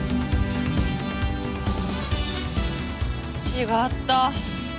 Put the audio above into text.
違った。